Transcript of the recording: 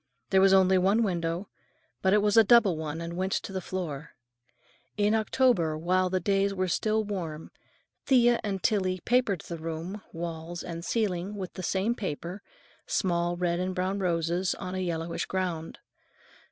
There was only one window, but it was a double one and went to the floor. In October, while the days were still warm, Thea and Tillie papered the room, walls and ceiling in the same paper, small red and brown roses on a yellowish ground.